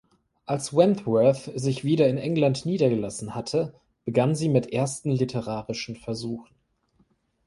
Als Wentworth sich wieder in England niedergelassen hatte, begann sie mit ersten literarischen Versuchen.